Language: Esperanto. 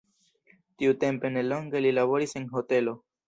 Tiutempe nelonge li laboris en hotelo.